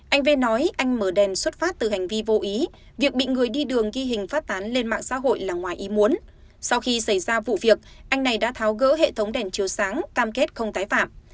anh v nói anh mở đèn xuất phát từ hành vi vô ý việc bị người đi đường ghi hình phát tán lên mạng xã hội là ngoài ý muốn sau khi xảy ra vụ việc anh này đã tháo gỡ hệ thống đèn chiếu sáng cam kết không tái phạm